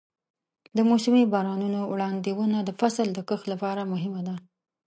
د موسمي بارانونو وړاندوینه د فصل د کښت لپاره مهمه ده.